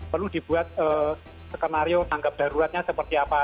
perlu dibuat skenario tanggap daruratnya seperti apa